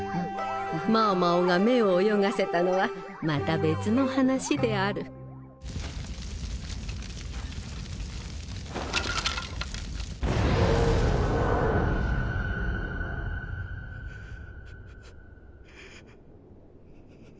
猫猫が目を泳がせたのはまた別の話であるうぅ。